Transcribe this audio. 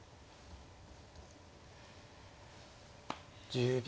１０秒。